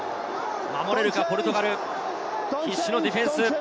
守れるかポルトガル、必死のディフェンス。